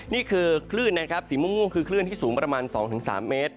นี่คือคลื่นนะครับสีม่วงคือคลื่นที่สูงประมาณ๒๓เมตร